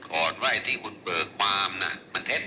เพราะที่ก็เบิกความมันเท็จ